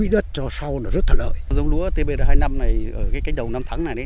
và chân ruộng